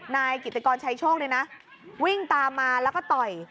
นายกิติกรชัยโชควิ่งตามมาแล้วก็ต่อย